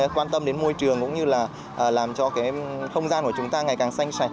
quan tâm đến môi trường cũng như là làm cho không gian của chúng ta ngày càng xanh sạch